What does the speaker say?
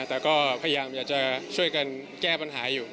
แต่ก็พยายามอยากจะช่วยกันแก้ปัญหาอยู่